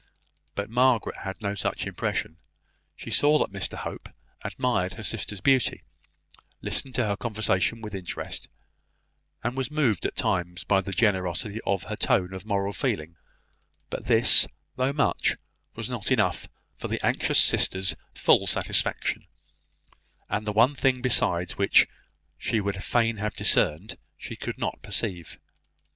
But Margaret had no such impression. She saw that Mr Hope admired her sister's beauty, listened to her conversation with interest, and was moved at times by the generosity of her tone of moral feeling; but this, though much, was not enough for the anxious sister's full satisfaction; and the one thing besides which she would fain have discerned she could not perceive.